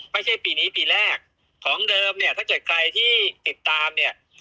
ไม่ใช่ปีนี้ปีแรกของเดิมเนี่ยถ้าเกิดใครที่ติดตามเนี่ย